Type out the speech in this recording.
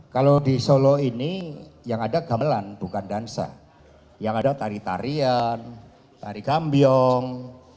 kalau di solo ini yang ada gamelan bukan dansa yang ada tari tarian tari gambiong